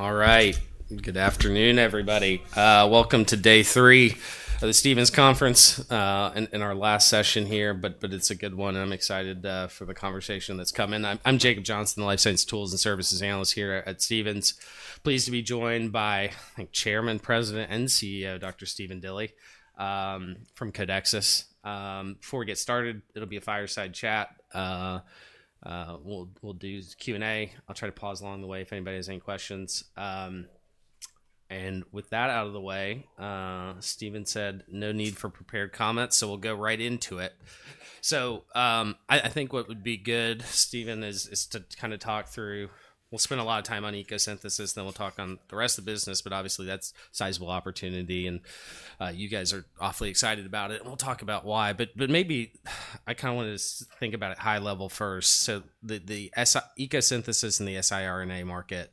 All right. Good afternoon, everybody. Welcome to day three of the Stephens Conference in our last session here, but it's a good one. I'm excited for the conversation that's coming. I'm Jacob Johnson, the Life Science Tools and Services Analyst here at Stephens, pleased to be joined by Chairman, President, and CEO Dr. Stephen Dilly from Codexis. Before we get started, it'll be a fireside chat. We'll do Q&A. I'll try to pause along the way if anybody has any questions. And with that out of the way, Stephen said no need for prepared comments, so we'll go right into it. So I think what would be good, Stephen, is to kind of talk through, we'll spend a lot of time on ECO Synthesis, then we'll talk on the rest of the business, but obviously that's a sizable opportunity, and you guys are awfully excited about it, and we'll talk about why. But maybe I kind of want to think about it high level first. So the ECO Synthesis and the siRNA market,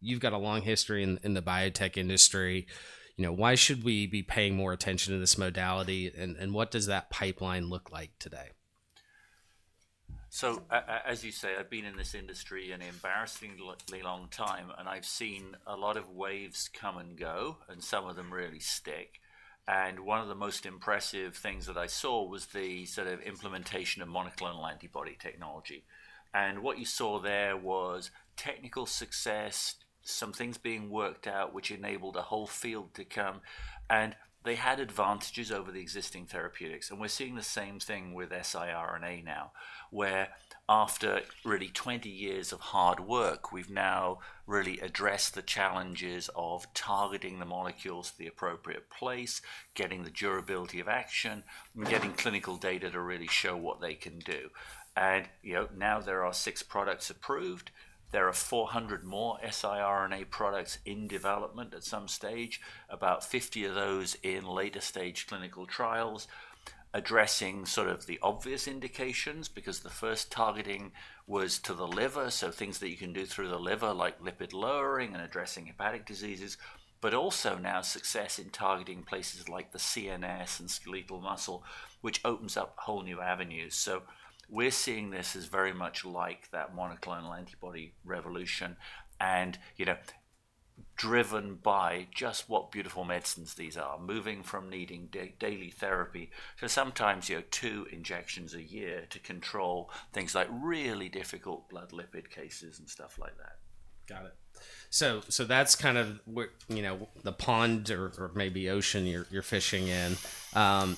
you've got a long history in the biotech industry. Why should we be paying more attention to this modality, and what does that pipeline look like today? So as you say, I've been in this industry an embarrassingly long time, and I've seen a lot of waves come and go, and some of them really stick. And one of the most impressive things that I saw was the implementation of monoclonal antibody technology. And what you saw there was technical success, some things being worked out, which enabled a whole field to come. And they had advantages over the existing therapeutics. And we're seeing the same thing with siRNA now, where after really 20 years of hard work, we've now really addressed the challenges of targeting the molecules to the appropriate place, getting the durability of action, and getting clinical data to really show what they can do. And now there are six products approved. There are 400 more siRNA products in development at some stage, about 50 of those in later stage clinical trials, addressing the obvious indications because the first targeting was to the liver, so things that you can do through the liver like lipid lowering and addressing hepatic diseases, but also now success in targeting places like the CNS and skeletal muscle, which opens up whole new avenues. So we're seeing this as very much like that monoclonal antibody revolution and driven by just what beautiful medicines these are, moving from needing daily therapy to sometimes two injections a year to control things like really difficult blood lipid cases and stuff like that. Got it. So that's kind of the pond or maybe ocean you're fishing in.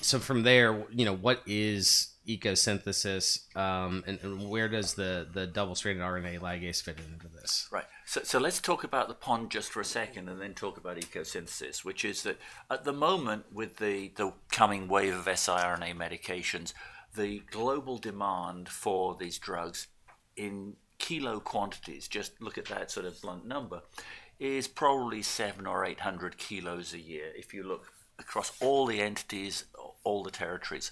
So from there, what is ECO Synthesis, and where does the double-stranded RNA ligase fit into this? Right, so let's talk about the pond just for a second and then talk about ECO Synthesis, which is that at the moment, with the coming wave of siRNA medications, the global demand for these drugs in kilo quantities, just look at that sort of lumped number, is probably 700 or 800 kilos a year if you look across all the entities, all the territories.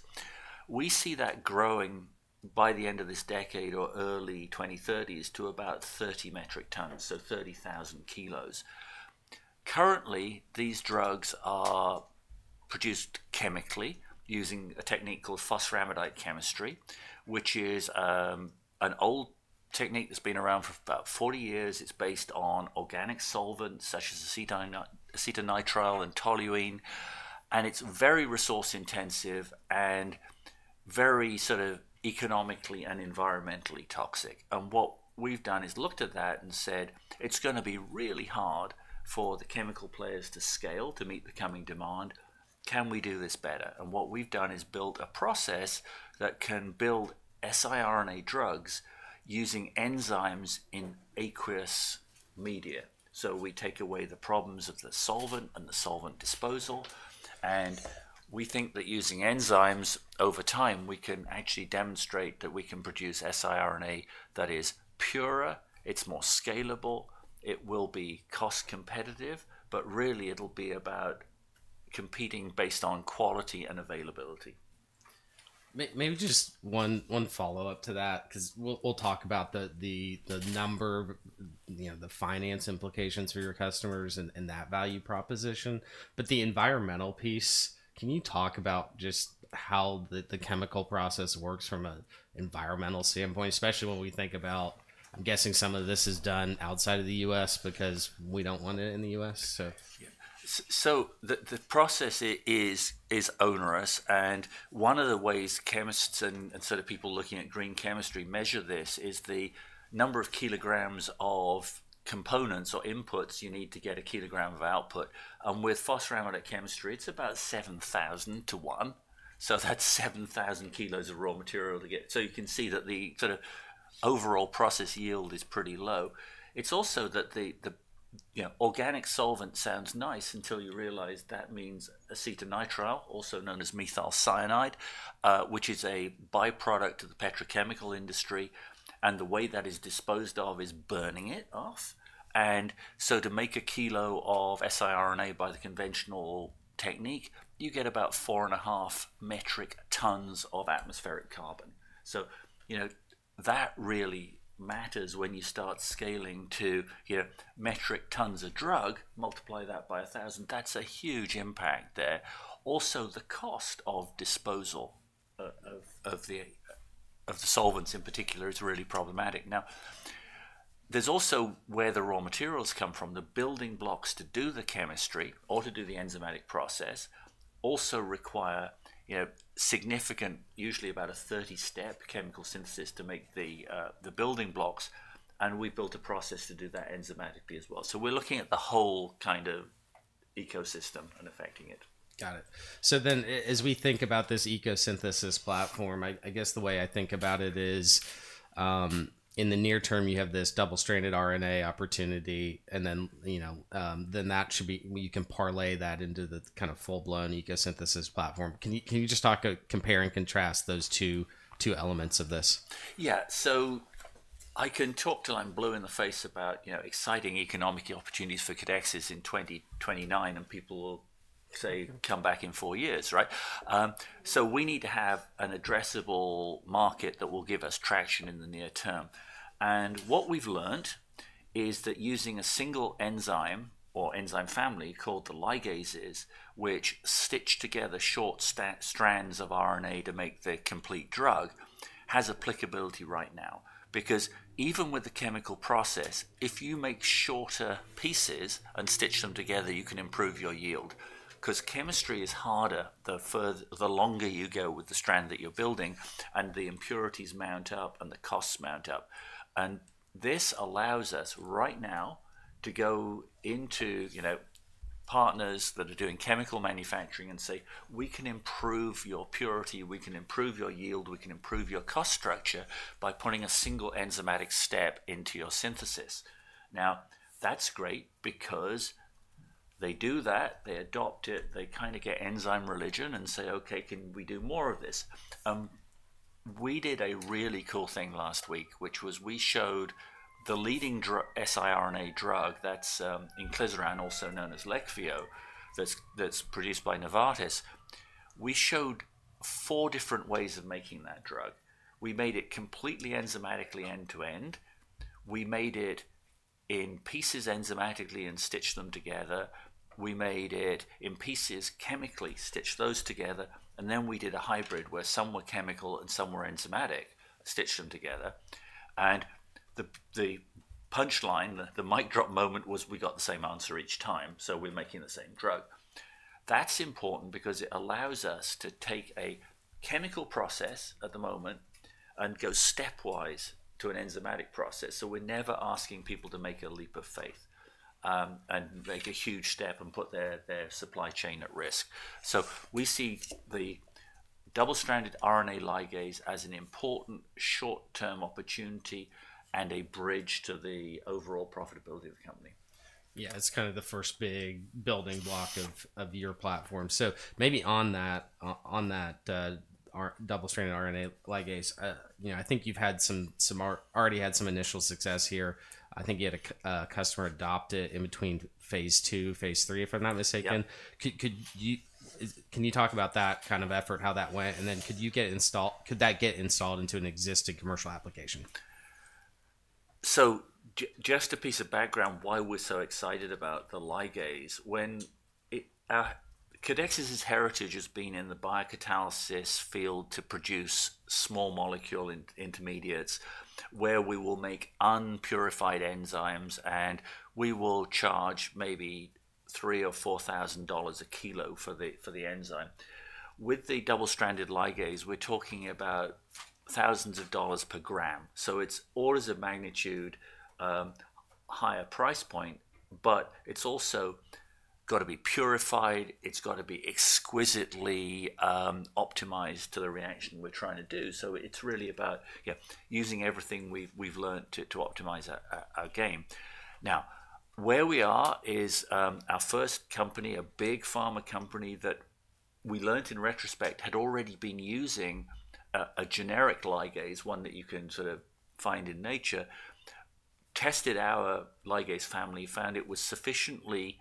We see that growing by the end of this decade or early 2030s to about 30 metric tons, so 30,000 kilos. Currently, these drugs are produced chemically using a technique called phosphoramidite chemistry, which is an old technique that's been around for about 40 years. It's based on organic solvents such as acetonitrile and toluene, and it's very resource-intensive and very economically and environmentally toxic. What we've done is looked at that and said, "It's going to be really hard for the chemical players to scale to meet the coming demand. Can we do this better?" What we've done is built a process that can build siRNA drugs using enzymes in aqueous media. So we take away the problems of the solvent and the solvent disposal. We think that using enzymes over time, we can actually demonstrate that we can produce siRNA that is purer, it's more scalable, it will be cost competitive, but really it'll be about competing based on quality and availability. Maybe just one follow-up to that because we'll talk about the number, the finance implications for your customers and that value proposition. But the environmental piece, can you talk about just how the chemical process works from an environmental standpoint, especially when we think about, I'm guessing some of this is done outside of the U.S. because we don't want it in the U.S., so. The process is onerous. One of the ways chemists and people looking at green chemistry measure this is the number of kg of components or inputs you need to get a kilogram of output. With phosphoramidite chemistry, it's about 7,000 to 1. That's 7,000 kilos of raw material to get. You can see that the overall process yield is pretty low. It's also that the organic solvent sounds nice until you realize that means acetonitrile, also known as methyl cyanide, which is a byproduct of the petrochemical industry. The way that is disposed of is burning it off. To make a kilo of siRNA by the conventional technique, you get about four and a half metric tons of atmospheric carbon. That really matters when you start scaling to metric tons a drug, multiply that by 1,000. That's a huge impact there. Also, the cost of disposal of the solvents in particular is really problematic. Now, there's also where the raw materials come from. The building blocks to do the chemistry or to do the enzymatic process also require significant, usually about a 30-step chemical synthesis to make the building blocks. And we built a process to do that enzymatically as well. So we're looking at the whole kind of ecosystem and affecting it. Got it. So then as we think about this ECO Synthesis platform, I guess the way I think about it is in the near term, you have this double-stranded RNA opportunity, and then that should be—you can parlay that into the full-blown ECO Synthesis platform. Can you just talk about compare and contrast those two elements of this? Yeah. So I can talk till I'm blue in the face about exciting economic opportunities for Codexis in 2029, and people will say, "Come back in four years," right? So we need to have an addressable market that will give us traction in the near term. And what we've learned is that using a single enzyme or enzyme family called the ligases, which stitch together short strands of RNA to make the complete drug, has applicability right now. Because even with the chemical process, if you make shorter pieces and stitch them together, you can improve your yield. Because chemistry is harder the longer you go with the strand that you're building, and the impurities mount up, and the costs mount up. And this allows us right now to go into partners that are doing chemical manufacturing and say, "We can improve your purity, we can improve your yield, we can improve your cost structure by putting a single enzymatic step into your synthesis." Now, that's great because they do that, they adopt it, they kind of get enzyme religion and say, "Okay, can we do more of this?" We did a really cool thing last week, which was we showed the leading siRNA drug that's inclisiran, also known as Leqvio, that's produced by Novartis. We showed four different ways of making that drug. We made it completely enzymatically end-to-end. We made it in pieces enzymatically and stitched them together. We made it in pieces chemically, stitched those together. And then we did a hybrid where some were chemical and some were enzymatic, stitched them together. The punchline, the mic drop moment was we got the same answer each time, so we're making the same drug. That's important because it allows us to take a chemical process at the moment and go stepwise to an enzymatic process. We're never asking people to make a leap of faith and make a huge step and put their supply chain at risk. We see the double-stranded RNA ligase as an important short-term opportunity and a bridge to the overall profitability of the company. Yeah, it's kind of the first big building block of your platform. So maybe on that double-stranded RNA ligase, I think you've already had some initial success here. I think you had a customer adopt it in between phase II, phase III, if I'm not mistaken. Can you talk about that kind of effort, how that went? And then could you get installed, could that get installed into an existing commercial application? So just a piece of background, why we're so excited about the ligase: Codexis' heritage has been in the biocatalysis field to produce small molecule intermediates where we will make unpurified enzymes, and we will charge maybe $3,000 or $4,000 a kilo for the enzyme. With the double-stranded ligase, we're talking about thousands of dollars per gram. So it's always a magnitude higher price point, but it's also got to be purified. It's got to be exquisitely optimized to the reaction we're trying to do. So it's really about using everything we've learned to optimize our game. Now, where we are is our first company, a big pharma company that we learned in retrospect had already been using a generic ligase, one that you can find in nature, tested our ligase family, found it was sufficiently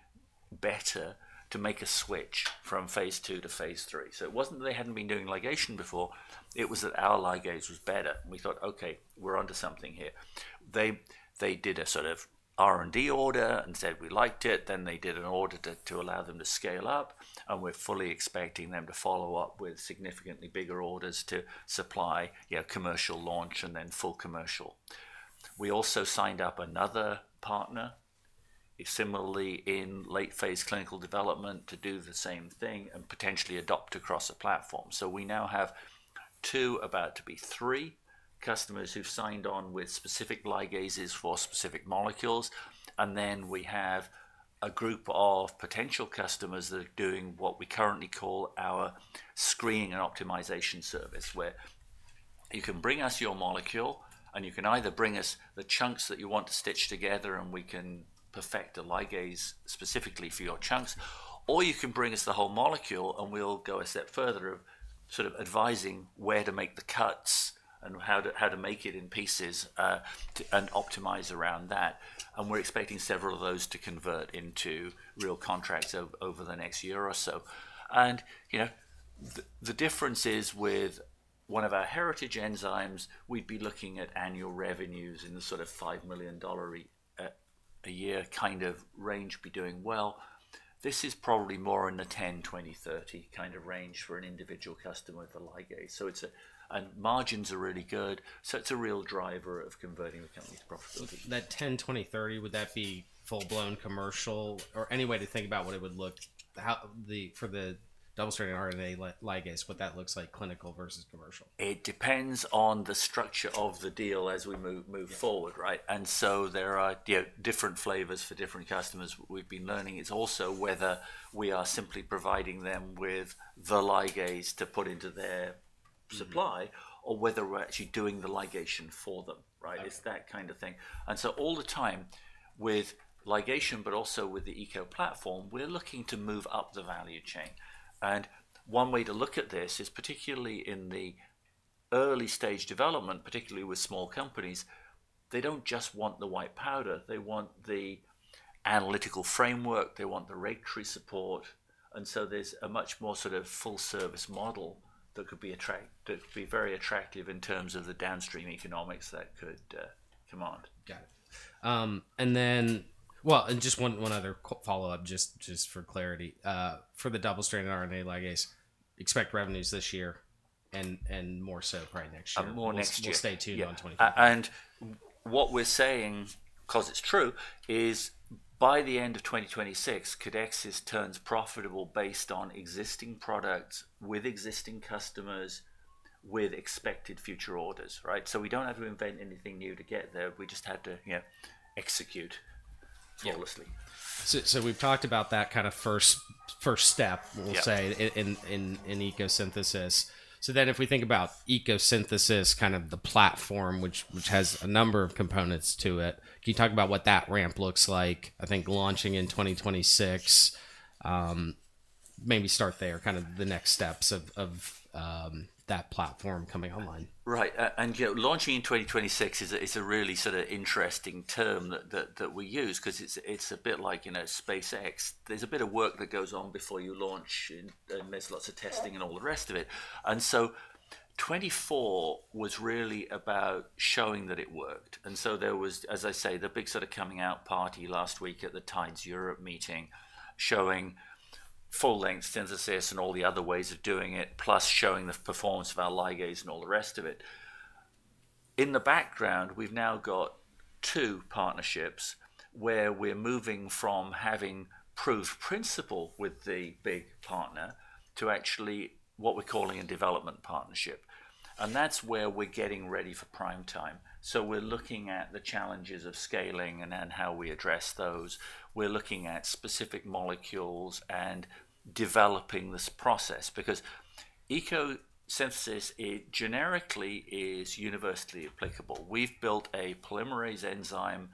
better to make a switch from phase II-phase III. So it wasn't that they hadn't been doing ligation before. It was that our ligase was better. We thought, "Okay, we're onto something here." They did a R&D order and said we liked it. Then they did an order to allow them to scale up, and we're fully expecting them to follow up with significantly bigger orders to supply commercial launch and then full commercial. We also signed up another partner, similarly in late-phase clinical development, to do the same thing and potentially adopt across a platform. So we now have two about to be three customers who've signed on with specific ligases for specific molecules. Then we have a group of potential customers that are doing what we currently call our screening and optimization service, where you can bring us your molecule, and you can either bring us the chunks that you want to stitch together, and we can perfect a ligase specifically for your chunks, or you can bring us the whole molecule, and we'll go a step further of advising where to make the cuts and how to make it in pieces and optimize around that. We're expecting several of those to convert into real contracts over the next year or so. The difference is with one of our heritage enzymes, we'd be looking at annual revenues in the $5 million a year kind of range, be doing well. This is probably more in the 10, 20, 30 kind of range for an individual customer with a ligase. So margins are really good. So it's a real driver of converting the company's profitability. That 10, 20, 30, would that be full-blown commercial? Or any way to think about what it would look like for the double-stranded RNA ligase, what that looks like clinical versus commercial? It depends on the structure of the deal as we move forward, right? And so there are different flavors for different customers. We've been learning. It's also whether we are simply providing them with the ligase to put into their supply or whether we're actually doing the ligation for them, right? It's that kind of thing. And so all the time with ligation, but also with the ECO platform, we're looking to move up the value chain. And one way to look at this is particularly in the early stage development, particularly with small companies, they don't just want the white powder. They want the analytical framework. They want the regulatory support. And so there's a much more full-service model that could be very attractive in terms of the downstream economics that could command. Got it. And then, well, and just one other follow-up, just for clarity. For the double-stranded RNA ligase, expect revenues this year and more so probably next year. More next year. We'll stay tuned on 2026. And what we're saying, because it's true, is by the end of 2026, Codexis turns profitable based on existing products with existing customers with expected future orders, right? So we don't have to invent anything new to get there. We just have to execute flawlessly. So we've talked about that kind of first step, we'll say, in ECO Synthesis. So then if we think about ECO Synthesis, kind of the platform, which has a number of components to it, can you talk about what that ramp looks like? I think launching in 2026, maybe start there, kind of the next steps of that platform coming online. Right. And launching in 2026 is a really interesting term that we use because it's a bit like SpaceX. There's a bit of work that goes on before you launch and there's lots of testing and all the rest of it, and so 2024 was really about showing that it worked. And so there was, as I say, the big sort of coming out party last week at the Tides Europe meeting showing full-length synthesis and all the other ways of doing it, plus showing the performance of our ligase and all the rest of it. In the background, we've now got two partnerships where we're moving from having proof of principle with the big partner to actually what we're calling a development partnership, and that's where we're getting ready for prime time, so we're looking at the challenges of scaling and how we address those. We're looking at specific molecules and developing this process because ECO Synthesis generically is universally applicable. We've built a polymerase enzyme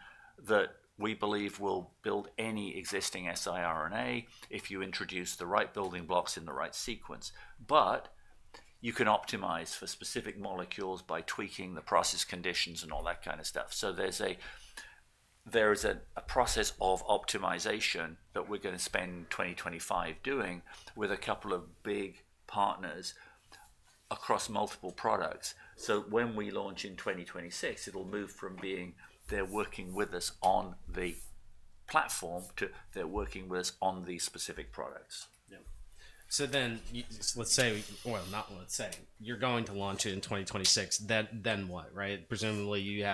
that we believe will build any existing siRNA if you introduce the right building blocks in the right sequence. But you can optimize for specific molecules by tweaking the process conditions and all that kind of stuff. So there is a process of optimization that we're going to spend 2025 doing with a couple of big partners across multiple products. So when we launch in 2026, it'll move from being they're working with us on the platform to they're working with us on these specific products. Yeah. So then you're going to launch it in 2026, then what, right? Presumably, you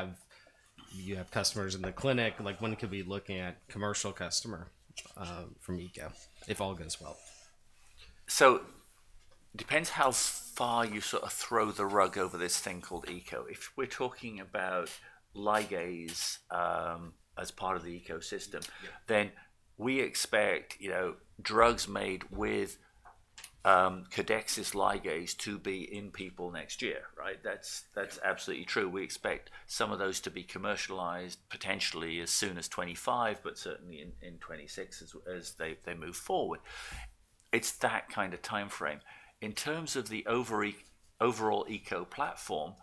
have customers in the clinic. When could we look at a commercial customer from ECO if all goes well? So it depends how far you sort of throw the rug over this thing called ECO. If we're talking about ligase as part of the ecosystem, then we expect drugs made with Codexis ligase to be in people next year, right? That's absolutely true. We expect some of those to be commercialized potentially as soon as 2025, but certainly in 2026 as they move forward. It's that kind of time frame. In terms of the overall ECO platform,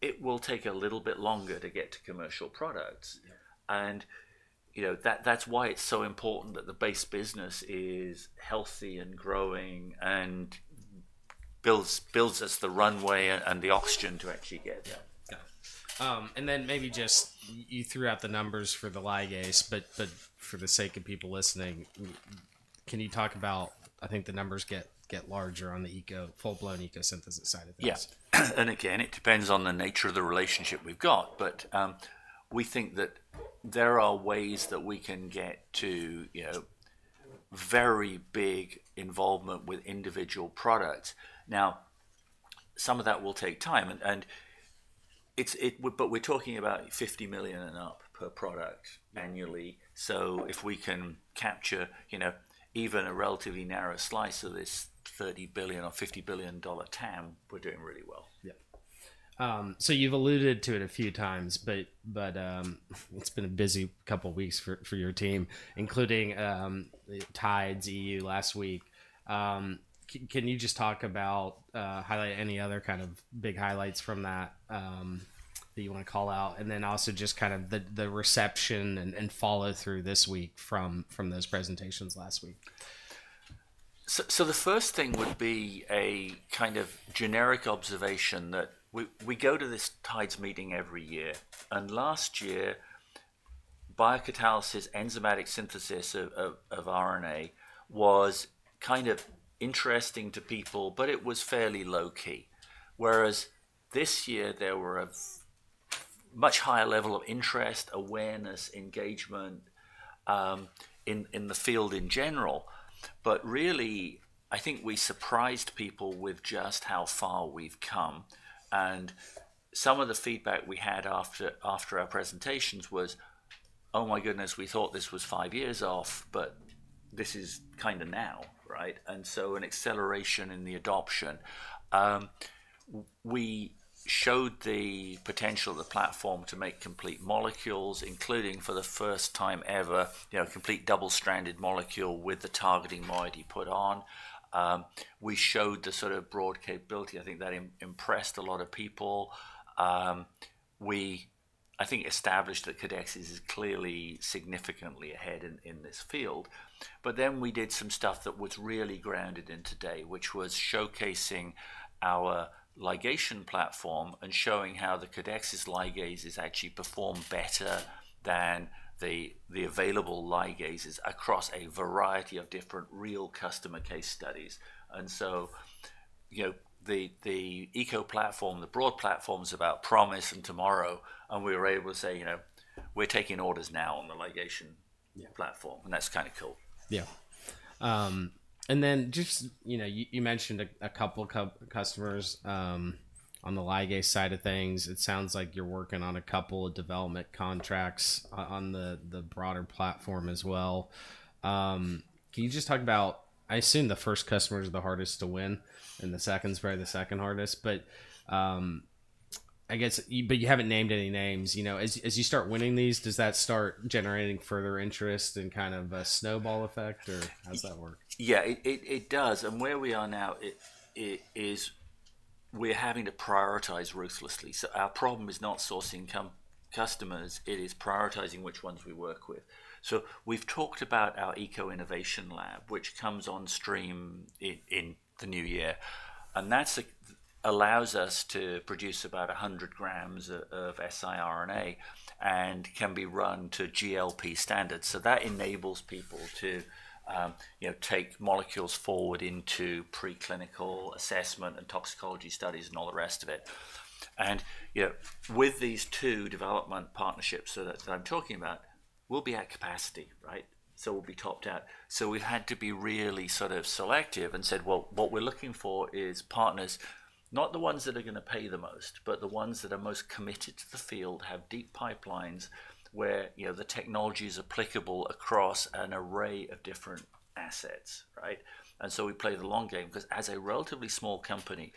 it will take a little bit longer to get to commercial products. And that's why it's so important that the base business is healthy and growing and builds us the runway and the oxygen to actually get there. And then maybe just you threw out the numbers for the ligase, but for the sake of people listening, can you talk about? I think the numbers get larger on the full-blown ECO Synthesis side of things. Yes, and again, it depends on the nature of the relationship we've got, but we think that there are ways that we can get to very big involvement with individual products. Now, some of that will take time, but we're talking about $50 million and up per product annually, so if we can capture even a relatively narrow slice of this $30 billion or $50 billion dollar TAM, we're doing really well. Yeah. So you've alluded to it a few times, but it's been a busy couple of weeks for your team, including Tides Europe last week. Can you just talk about, highlight any other kind of big highlights from that that you want to call out? And then also just kind of the reception and follow-through this week from those presentations last week? So the first thing would be a kind of generic observation that we go to this Tides meeting every year. And last year, biocatalysis, enzymatic synthesis of RNA was kind of interesting to people, but it was fairly low-key. Whereas this year, there were a much higher level of interest, awareness, engagement in the field in general. But really, I think we surprised people with just how far we've come. And some of the feedback we had after our presentations was, "Oh my goodness, we thought this was five years off, but this is kind of now," right? And so an acceleration in the adoption. We showed the potential of the platform to make complete molecules, including for the first time ever, complete double-stranded molecule with the targeting moiety put on. We showed the sort of broad capability. I think that impressed a lot of people. I think established that Codexis is clearly significantly ahead in this field. But then we did some stuff that was really grounded in today, which was showcasing our ligation platform and showing how the Codexis ligase is actually performing better than the available ligases across a variety of different real customer case studies. And so the ECO platform, the broad platform is about promise and tomorrow. And we were able to say, "We're taking orders now on the ligation platform." And that's kind of cool. Yeah. And then, just you mentioned a couple of customers on the ligase side of things. It sounds like you're working on a couple of development contracts on the broader platform as well. Can you just talk about, I assume the first customers are the hardest to win and the second is probably the second hardest, but I guess, but you haven't named any names. As you start winning these, does that start generating further interest and kind of a snowball effect, or how does that work? Yeah, it does, and where we are now is we're having to prioritize ruthlessly, so our problem is not sourcing customers. It is prioritizing which ones we work with, so we've talked about our ECO Innovation Lab, which comes on stream in the new year, and that allows us to produce about 100 grams of siRNA and can be run to GLP standards, so that enables people to take molecules forward into preclinical assessment and toxicology studies and all the rest of it, and with these two development partnerships that I'm talking about, we'll be at capacity, right, so we'll be topped out. So we've had to be really sort of selective and said, "Well, what we're looking for is partners, not the ones that are going to pay the most, but the ones that are most committed to the field, have deep pipelines where the technology is applicable across an array of different assets," right? And so we play the long game because as a relatively small company,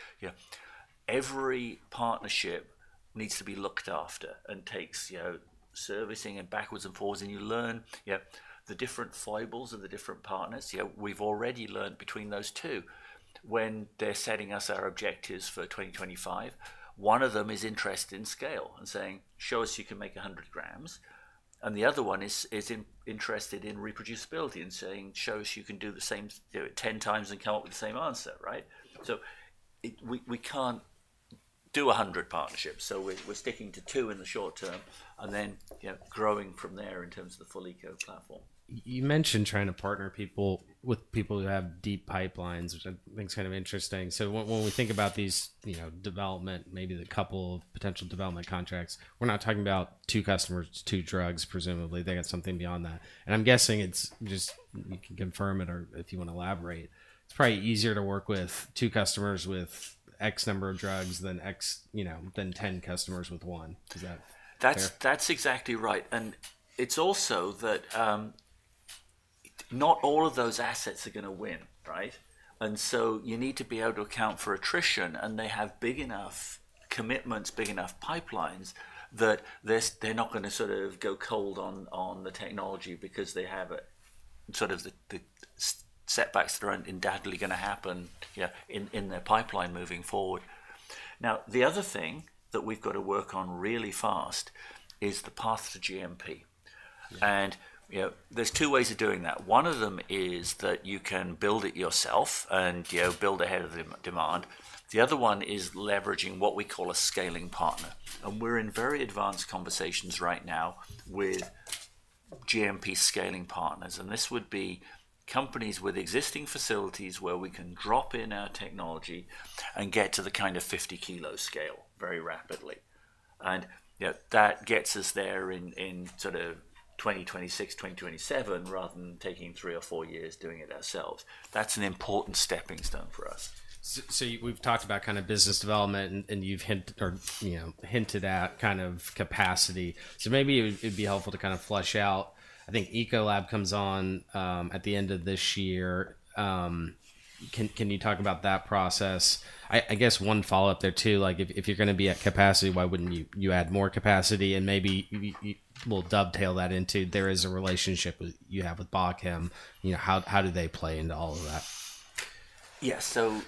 every partnership needs to be looked after and takes servicing and backwards and forwards. And you learn the different vibes of the different partners. We've already learned between those two. When they're setting out our objectives for 2025, one of them is interested in scale and saying, "Show us you can make 100 grams." And the other one is interested in reproducibility and saying, "Show us you can do the same 10x and come up with the same answer," right? So we can't do 100 partnerships, so we're sticking to two in the short term and then growing from there in terms of the full ECO platform. You mentioned trying to partner people with people who have deep pipelines, which I think is kind of interesting. So when we think about these development, maybe the couple of potential development contracts, we're not talking about two customers, two drugs, presumably. They got something beyond that. And I'm guessing it's just you can confirm it or if you want to elaborate. It's probably easier to work with two customers with X number of drugs than X than 10 customers with one. Is that fair? That's exactly right. And it's also that not all of those assets are going to win, right? And so you need to be able to account for attrition and they have big enough commitments, big enough pipelines that they're not going to sort of go cold on the technology because they have sort of the setbacks that are undoubtedly going to happen in their pipeline moving forward. Now, the other thing that we've got to work on really fast is the path to GMP. And there's two ways of doing that. One of them is that you can build it yourself and build ahead of demand. The other one is leveraging what we call a scaling partner. And we're in very advanced conversations right now with GMP scaling partners. This would be companies with existing facilities where we can drop in our technology and get to the kind of 50-kilo scale very rapidly. That gets us there in sort of 2026, 2027, rather than taking three or four years doing it ourselves. That's an important stepping stone for us. So we've talked about kind of business development and you've hinted at kind of capacity. So maybe it'd be helpful to kind of flesh out. I think ECO Lab comes on at the end of this year. Can you talk about that process? I guess one follow-up there too. If you're going to be at capacity, why wouldn't you add more capacity? And maybe we'll dovetail that into there is a relationship you have with Bachem. How do they play into all of that? Yes. So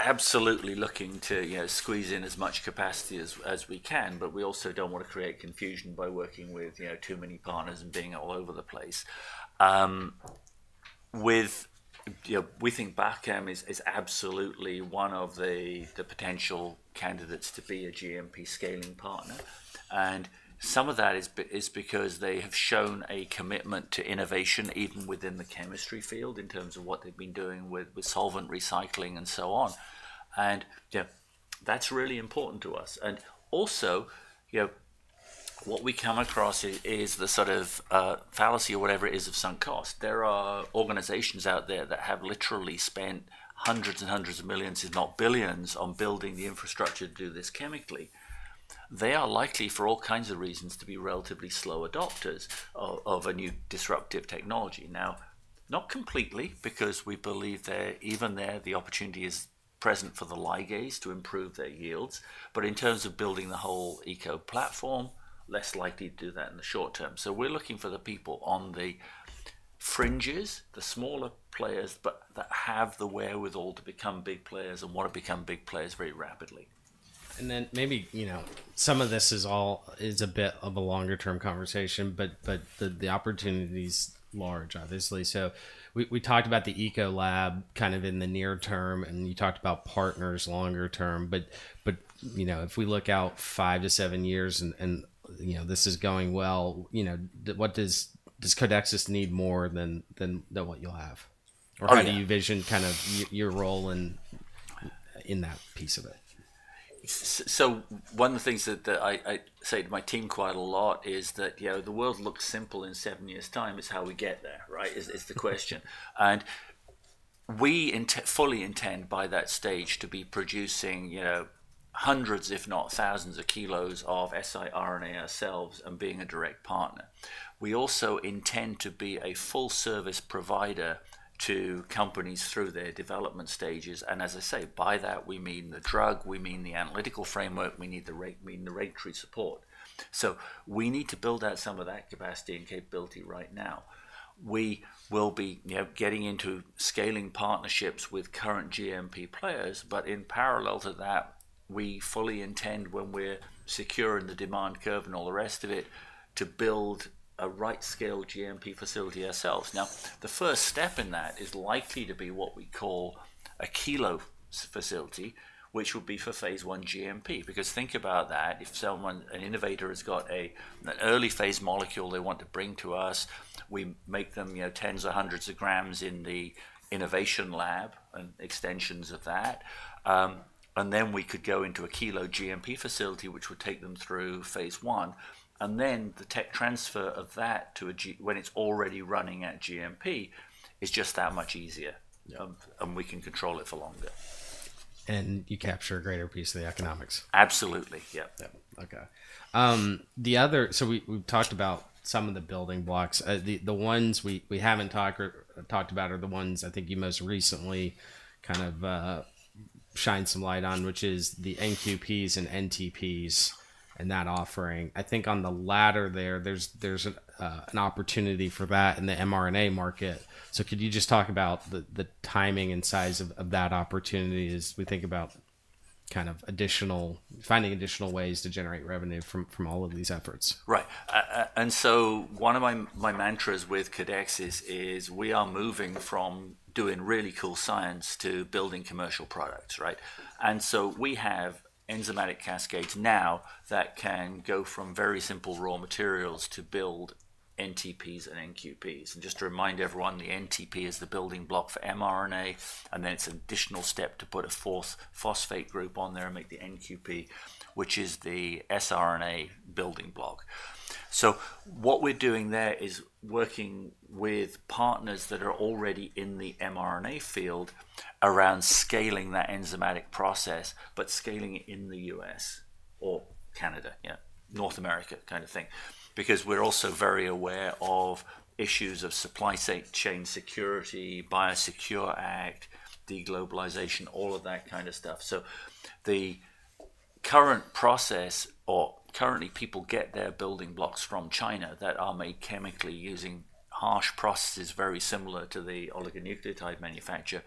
absolutely looking to squeeze in as much capacity as we can, but we also don't want to create confusion by working with too many partners and being all over the place. We think Bachem is absolutely one of the potential candidates to be a GMP scaling partner. And some of that is because they have shown a commitment to innovation even within the chemistry field in terms of what they've been doing with solvent recycling and so on. And that's really important to us. And also, what we come across is the sort of fallacy or whatever it is of sunk cost. There are organizations out there that have literally spent hundreds and hundreds of millions, if not billions, on building the infrastructure to do this chemically. They are likely for all kinds of reasons to be relatively slow adopters of a new disruptive technology. Now, not completely because we believe that even there the opportunity is present for the ligase to improve their yields, but in terms of building the whole ECO platform, less likely to do that in the short term. So we're looking for the people on the fringes, the smaller players that have the wherewithal to become big players and want to become big players very rapidly. Then maybe some of this is a bit of a longer-term conversation, but the opportunity is large, obviously. So we talked about the ECO Lab kind of in the near term, and you talked about partners longer term. But if we look out five to seven years and this is going well, what does Codexis need more than what you'll have? Or how do you vision kind of your role in that piece of it? So one of the things that I say to my team quite a lot is that the world looks simple in seven years' time. It's how we get there, right? Is the question. And we fully intend by that stage to be producing hundreds, if not thousands of kilos of siRNA ourselves and being a direct partner. We also intend to be a full-service provider to companies through their development stages. And as I say, by that, we mean the drug, we mean the analytical framework, we mean the regulatory support. So we need to build out some of that capacity and capability right now. We will be getting into scaling partnerships with current GMP players, but in parallel to that, we fully intend when we're secure in the demand curve and all the rest of it to build a right-scale GMP facility ourselves. Now, the first step in that is likely to be what we call a kilo facility, which would be for phase I GMP. Because think about that. If an innovator has got an early-phase molecule they want to bring to us, we make them tens or hundreds of grams in the innovation lab and extensions of that. And then we could go into a kilo GMP facility, which would take them through phase I. And then the tech transfer of that to when it's already running at GMP is just that much easier. And we can control it for longer. You capture a greater piece of the economics. Absolutely. Yep. Yep. Okay. So we've talked about some of the building blocks. The ones we haven't talked about are the ones I think you most recently kind of shined some light on, which is the NQPs and NTPs and that offering. I think on the latter there, there's an opportunity for that in the mRNA market. So could you just talk about the timing and size of that opportunity as we think about kind of finding additional ways to generate revenue from all of these efforts? Right. And so one of my mantras with Codexis is we are moving from doing really cool science to building commercial products, right? And so we have enzymatic cascades now that can go from very simple raw materials to build NTPs and NQPs. And just to remind everyone, the NTP is the building block for mRNA. And then it's an additional step to put a phosphate group on there and make the NQP, which is the siRNA building block. So what we're doing there is working with partners that are already in the mRNA field around scaling that enzymatic process, but scaling it in the U.S. or Canada, yeah, North America kind of thing. Because we're also very aware of issues of supply chain security, Biosecure Act, deglobalization, all of that kind of stuff. So the current process, or currently people get their building blocks from China that are made chemically using harsh processes very similar to the oligonucleotide manufacturer.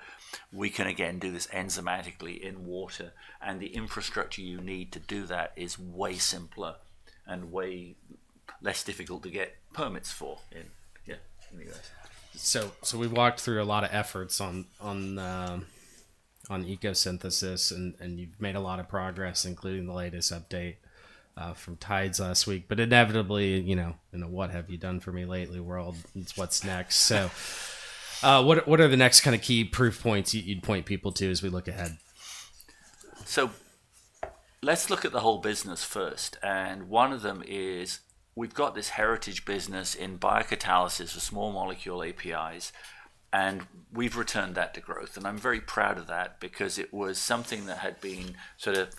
We can again do this enzymatically in water. And the infrastructure you need to do that is way simpler and way less difficult to get permits for in the U.S. So we walked through a lot of efforts on ECO Synthesis, and you've made a lot of progress, including the latest update from Tides last week. But inevitably, in a what have you done for me lately world, it's what's next. So what are the next kind of key proof points you'd point people to as we look ahead? So let's look at the whole business first. And one of them is we've got this heritage business in biocatalysis for small molecule APIs, and we've returned that to growth. And I'm very proud of that because it was something that had been sort of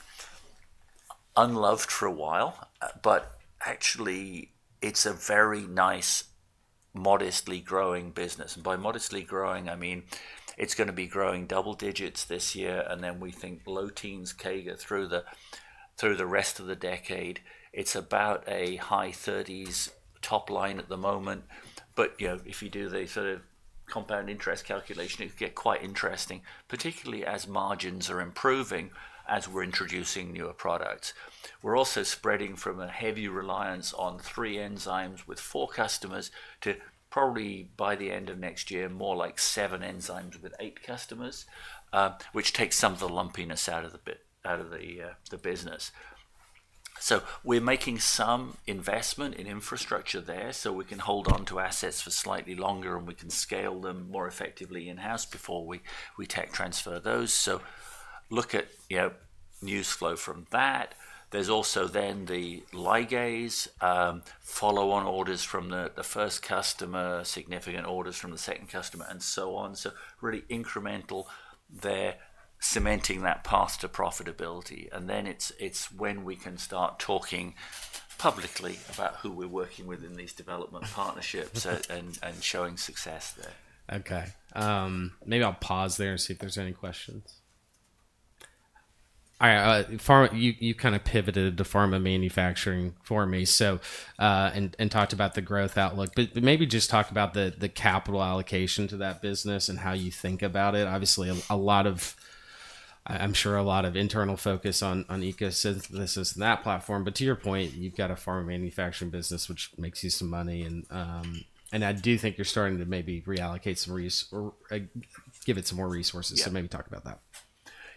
unloved for a while, but actually it's a very nice, modestly growing business. And by modestly growing, I mean it's going to be growing double digits this year. And then we think low teens CAGR through the rest of the decade. It's about a high 30s top line at the moment. But if you do the sort of compound interest calculation, it could get quite interesting, particularly as margins are improving as we're introducing newer products. We're also spreading from a heavy reliance on three enzymes with four customers to probably by the end of next year, more like seven enzymes with eight customers, which takes some of the lumpiness out of the business. So we're making some investment in infrastructure there so we can hold on to assets for slightly longer and we can scale them more effectively in-house before we tech transfer those. So look at news flow from that. There's also then the ligase, follow-on orders from the first customer, significant orders from the second customer, and so on. So really incremental, they're cementing that path to profitability. And then it's when we can start talking publicly about who we're working with in these development partnerships and showing success there. Okay. Maybe I'll pause there and see if there's any questions. All right. You kind of pivoted to pharma manufacturing for me and talked about the growth outlook. But maybe just talk about the capital allocation to that business and how you think about it. Obviously, I'm sure a lot of internal focus on ECO Synthesis and that platform. But to your point, you've got a pharma manufacturing business, which makes you some money. And I do think you're starting to maybe reallocate some or give it some more resources. So maybe talk about that.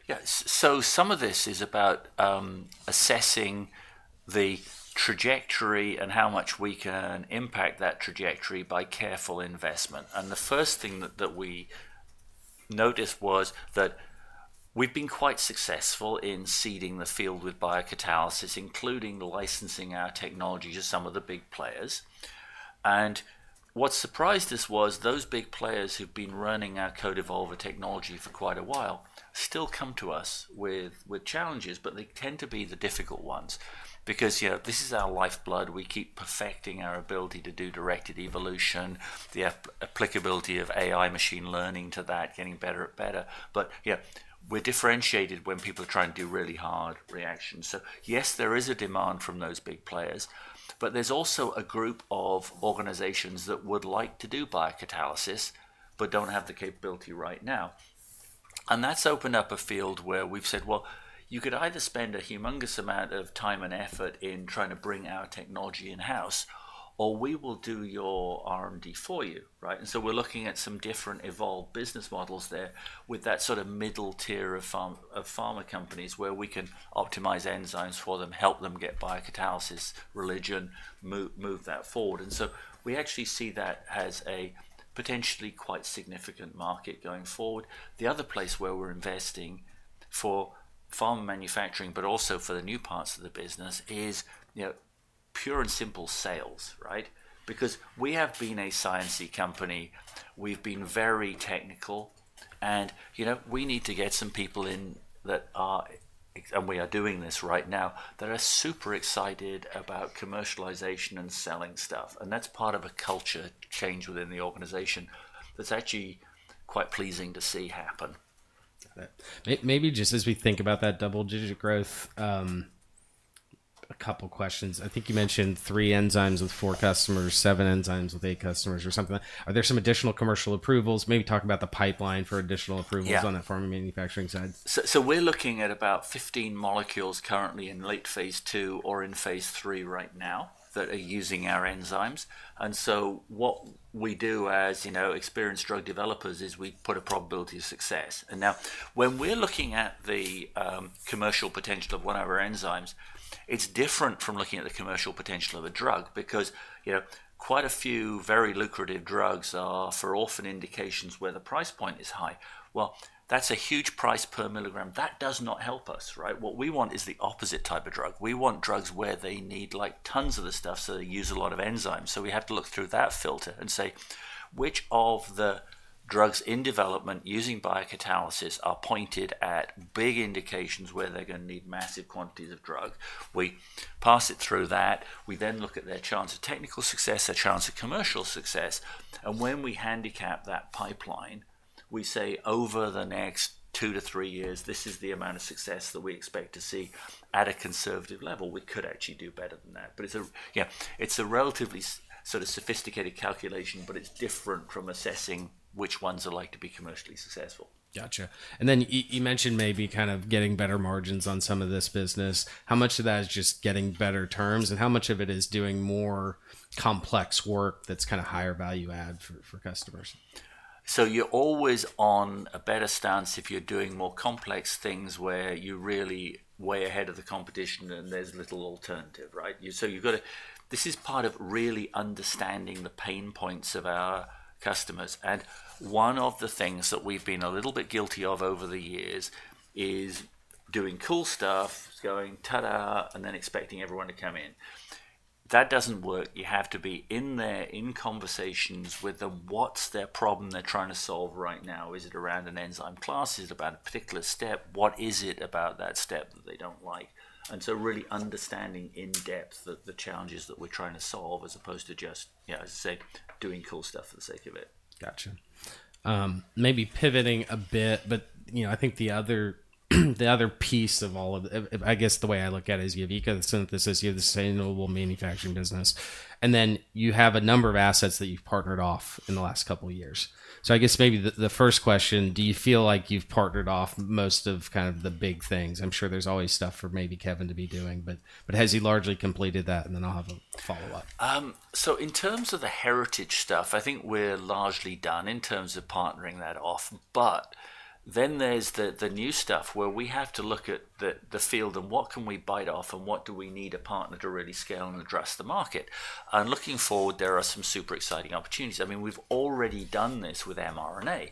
Yeah. So some of this is about assessing the trajectory and how much we can impact that trajectory by careful investment. And the first thing that we noticed was that we've been quite successful in seeding the field with biocatalysis, including licensing our technology to some of the big players. And what surprised us was those big players who've been running our CodeEvolver technology for quite a while still come to us with challenges, but they tend to be the difficult ones. Because this is our lifeblood. We keep perfecting our ability to do directed evolution, the applicability of AI machine learning to that, getting better and better. But yeah, we're differentiated when people are trying to do really hard reactions. So yes, there is a demand from those big players. But there's also a group of organizations that would like to do biocatalysis but don't have the capability right now. And that's opened up a field where we've said, well, you could either spend a humongous amount of time and effort in trying to bring our technology in-house, or we will do your R&D for you, right? And so we're looking at some different evolved business models there with that sort of middle tier of pharma companies where we can optimize enzymes for them, help them get biocatalysis religion, move that forward. And so we actually see that as a potentially quite significant market going forward. The other place where we're investing for pharma manufacturing, but also for the new parts of the business, is pure and simple sales, right? Because we have been a sciency company. We've been very technical. We need to get some people in that are (and we are doing this right now) that are super excited about commercialization and selling stuff. That's part of a culture change within the organization that's actually quite pleasing to see happen. Got it. Maybe just as we think about that double-digit growth, a couple of questions. I think you mentioned three enzymes with four customers, seven enzymes with eight customers or something. Are there some additional commercial approvals? Maybe talk about the pipeline for additional approvals on the pharma manufacturing side. So we're looking at about 15 molecules currently in late phase II or in phase III right now that are using our enzymes. And so what we do as experienced drug developers is we put a probability of success. And now, when we're looking at the commercial potential of one of our enzymes, it's different from looking at the commercial potential of a drug because quite a few very lucrative drugs are for often indications where the price point is high. Well, that's a huge price per milligram. That does not help us, right? What we want is the opposite type of drug. We want drugs where they need tons of the stuff so they use a lot of enzymes. So we have to look through that filter and say, which of the drugs in development using biocatalysis are pointed at big indications where they're going to need massive quantities of drug? We pass it through that. We then look at their chance of technical success, their chance of commercial success. And when we handicap that pipeline, we say over the next two to three years, this is the amount of success that we expect to see at a conservative level. We could actually do better than that. But yeah, it's a relatively sort of sophisticated calculation, but it's different from assessing which ones are likely to be commercially successful. Gotcha. And then you mentioned maybe kind of getting better margins on some of this business. How much of that is just getting better terms? And how much of it is doing more complex work that's kind of higher value add for customers? So you're always on a better stance if you're doing more complex things where you really way ahead of the competition and there's little alternative, right? So this is part of really understanding the pain points of our customers. And one of the things that we've been a little bit guilty of over the years is doing cool stuff, going ta-da, and then expecting everyone to come in. That doesn't work. You have to be in there in conversations with them. What's their problem they're trying to solve right now? Is it around an enzyme class? Is it about a particular step? What is it about that step that they don't like? And so really understanding in depth the challenges that we're trying to solve as opposed to just, as I say, doing cool stuff for the sake of it. Gotcha. Maybe pivoting a bit, but I think the other piece of all of, I guess the way I look at it is you have ECO Synthesis, you have the sustainable manufacturing business, and then you have a number of assets that you've partnered off in the last couple of years. So I guess maybe the first question, do you feel like you've partnered off most of kind of the big things? I'm sure there's always stuff for maybe Kevin to be doing, but has he largely completed that? And then I'll have a follow-up. So in terms of the heritage stuff, I think we're largely done in terms of partnering that off. But then there's the new stuff where we have to look at the field and what can we bite off and what do we need a partner to really scale and address the market? And looking forward, there are some super exciting opportunities. I mean, we've already done this with mRNA,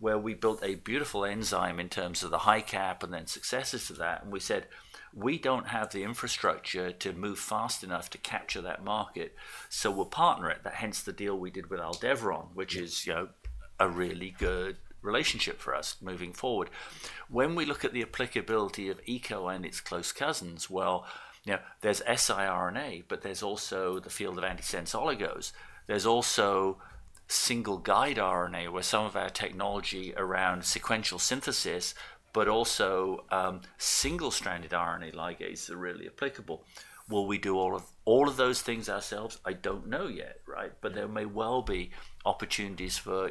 where we built a beautiful enzyme in terms of the HiCap and then successes to that. And we said, we don't have the infrastructure to move fast enough to capture that market. So we'll partner it. Hence the deal we did with Aldevron, which is a really good relationship for us moving forward. When we look at the applicability of ECO and its close cousins, well, there's siRNA, but there's also the field of antisense oligos. There's also single-guide RNA, where some of our technology around sequential synthesis, but also single-stranded RNA ligase are really applicable. Will we do all of those things ourselves? I don't know yet, right? But there may well be opportunities for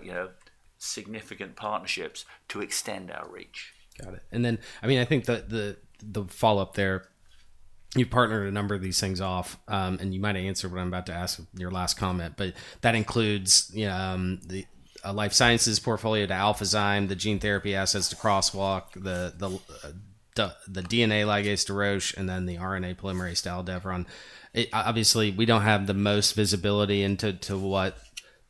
significant partnerships to extend our reach. Got it. And then, I mean, I think the follow-up there, you've partnered a number of these things off, and you might answer what I'm about to ask in your last comment, but that includes a life sciences portfolio to Alphazyme, the gene therapy assets to Crosswalk, the DNA ligase to Roche, and then the RNA polymerase to Aldevron. Obviously, we don't have the most visibility into what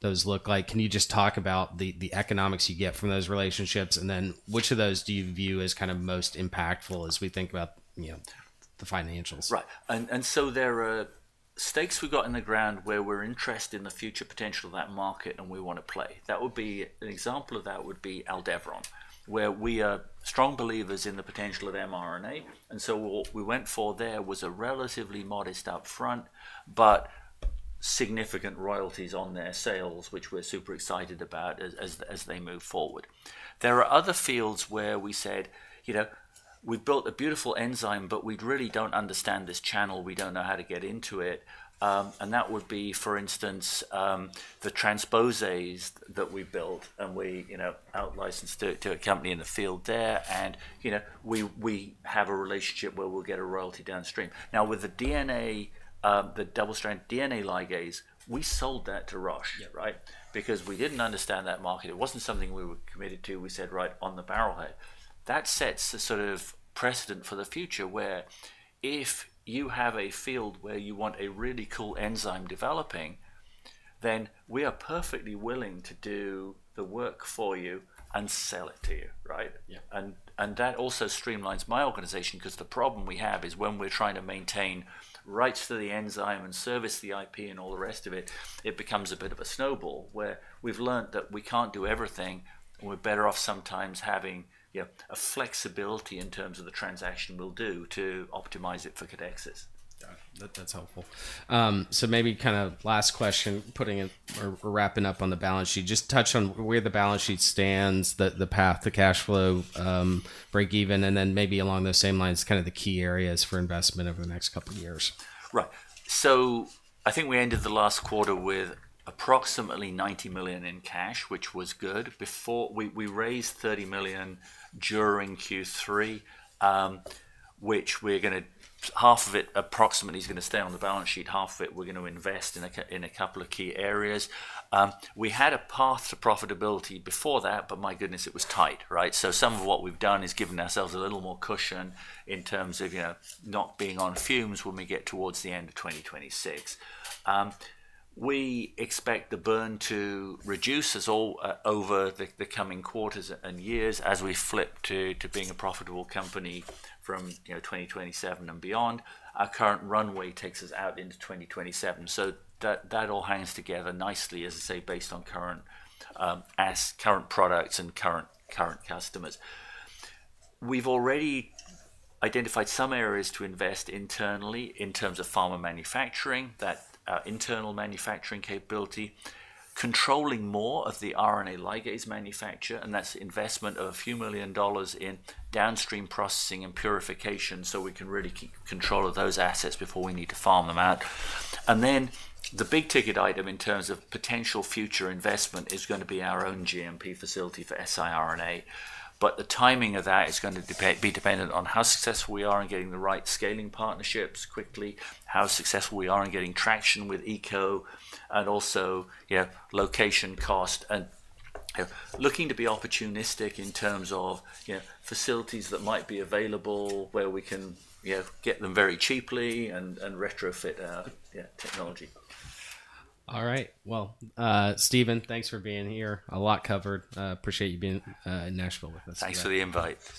those look like. Can you just talk about the economics you get from those relationships? And then which of those do you view as kind of most impactful as we think about the financials? Right. And so there are stakes we've got in the ground where we're interested in the future potential of that market and we want to play. That would be an example of that would be Aldevron, where we are strong believers in the potential of mRNA. And so what we went for there was a relatively modest upfront, but significant royalties on their sales, which we're super excited about as they move forward. There are other fields where we said, we've built a beautiful enzyme, but we really don't understand this channel. We don't know how to get into it. And that would be, for instance, the transposases that we built and we outlicensed to a company in the field there. And we have a relationship where we'll get a royalty downstream. Now, with the double-stranded DNA ligase, we sold that to Roche, right? Because we didn't understand that market. It wasn't something we were committed to. We said, right, on the barrelhead. That sets the sort of precedent for the future where if you have a field where you want a really cool enzyme developing, then we are perfectly willing to do the work for you and sell it to you, right? And that also streamlines my organization because the problem we have is when we're trying to maintain rights to the enzyme and service the IP and all the rest of it, it becomes a bit of a snowball where we've learned that we can't do everything. We're better off sometimes having a flexibility in terms of the transaction we'll do to optimize it for Codexis. Yeah. That's helpful. So maybe kind of last question, putting in or wrapping up on the balance sheet. Just touch on where the balance sheet stands, the path, the cash flow, break even, and then maybe along those same lines, kind of the key areas for investment over the next couple of years. Right, so I think we ended the last quarter with approximately $90 million in cash, which was good. We raised $30 million during Q3, which, we're going to half of it approximately, is going to stay on the balance sheet. Half of it, we're going to invest in a couple of key areas. We had a path to profitability before that, but my goodness, it was tight, right? So some of what we've done is given ourselves a little more cushion in terms of not being on fumes when we get towards the end of 2026. We expect the burn to reduce us all over the coming quarters and years as we flip to being a profitable company from 2027 and beyond. Our current runway takes us out into 2027, so that all hangs together nicely, as I say, based on current products and current customers. We've already identified some areas to invest internally in terms of pharma manufacturing, that internal manufacturing capability, controlling more of the RNA ligase manufacture, and that's investment of a few million dollars in downstream processing and purification so we can really keep control of those assets before we need to farm them out, and then the big ticket item in terms of potential future investment is going to be our own GMP facility for siRNA, but the timing of that is going to be dependent on how successful we are in getting the right scaling partnerships quickly, how successful we are in getting traction with ECO, and also location cost, and looking to be opportunistic in terms of facilities that might be available where we can get them very cheaply and retrofit our technology. All right. Well, Stephen, thanks for being here. A lot covered. Appreciate you being in Nashville with us. Thanks for the invite.